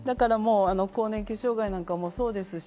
更年期障害なんかもそうですし、